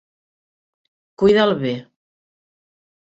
Cuida'l bé.